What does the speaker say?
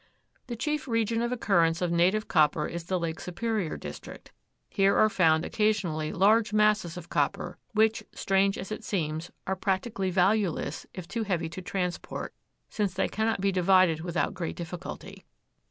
The chief region of occurrence of native copper is the Lake Superior district. Here are found occasionally large masses of copper, which, strange as it seems, are practically valueless if too heavy to transport, since they cannot be divided without great difficulty.